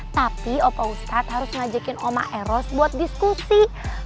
tapi opa ustadz harus ngajakin oma eros buat diskusi